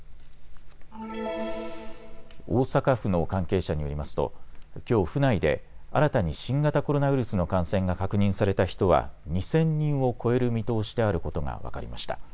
大阪府の関係者によりますときょう府内で新たに新型コロナウイルスの感染が確認された人は２０００人を超える見通しであることが分かりました。